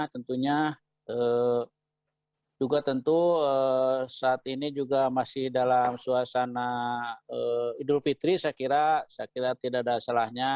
tentunya juga tentu saat ini juga masih dalam suasana idul fitri saya kira saya kira tidak ada salahnya